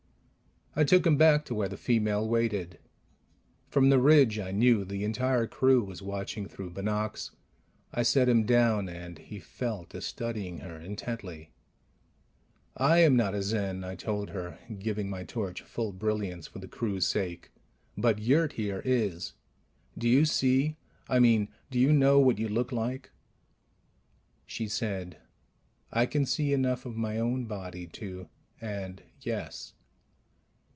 I took him back to where the female waited. From the ridge, I knew, the entire crew was watching through binocs. I set him down, and he fell to studying her intently. "I am not a Zen," I told her, giving my torch full brilliance for the crew's sake, "but Yurt here is. Do you see ... I mean, do you know what you look like?" She said, "I can see enough of my own body to and yes